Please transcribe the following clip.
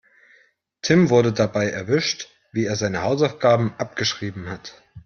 Tim wurde dabei erwischt, wie er seine Hausaufgaben abgeschrieben hat.